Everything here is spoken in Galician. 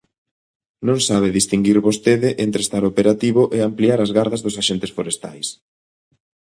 Non sabe distinguir vostede entre estar operativo e ampliar as gardas dos axentes forestais.